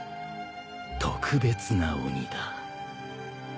特別な鬼だ。